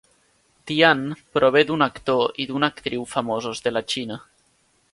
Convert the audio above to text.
Tian prové d'un actor i d'una actriu famosos de la Xina.